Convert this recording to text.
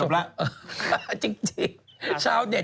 ขับไปแล้วหม่ออีกทีคือไม่มีเลย